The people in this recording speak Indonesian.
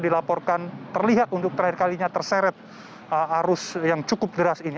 dilaporkan terlihat untuk terakhir kalinya terseret arus yang cukup deras ini